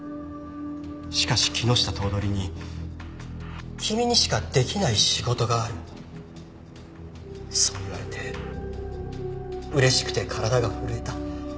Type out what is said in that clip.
しかし木下頭取に君にしか出来ない仕事があるそう言われて嬉しくて体が震えた。